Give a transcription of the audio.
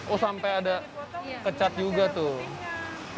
oh sampai ada kecat juga tuh